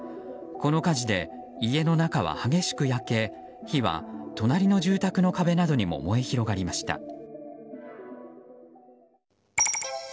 この火事で、家の中は激しく焼け火は隣の住宅の壁などにも燃え広がりました。